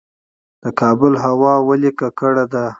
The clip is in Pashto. د کابل هوا ولې ککړه ده؟